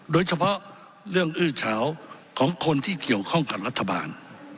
โดยเฉพาะเรื่องอื้อเฉาของคนที่เกี่ยวข้องกับรัฐบาล